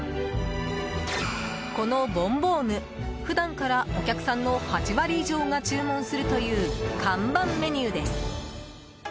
このボンボーヌ、普段からお客さんの８割以上が注文するという看板メニューです。